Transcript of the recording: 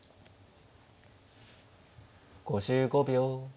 ５５秒。